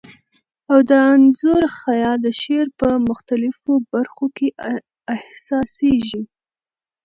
او د انځور خیال د شعر په مختلفو بر خو کي احسا سیږی.